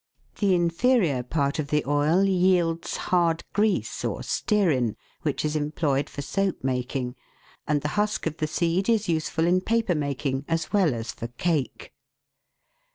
The inferior part of the oil yields hard grease, or stearine, which is employed for soap making, and the husk of the seed is useful in paper making, as well as for " cake."